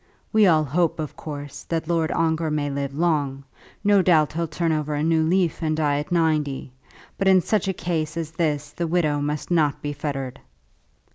"We all hope, of course, that Lord Ongar may live long; no doubt he'll turn over a new leaf, and die at ninety. But in such a case as this the widow must not be fettered."